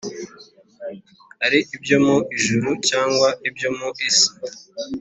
ari ibyo mu ijuru cyangwa ibyo mu isi